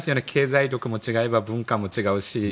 経済力も違えば文化も違うし。